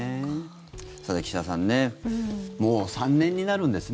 さて、岸田さんもう３年になるんですね